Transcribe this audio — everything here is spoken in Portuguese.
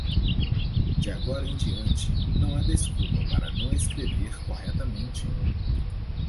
De agora em diante não há desculpa para não escrever corretamente.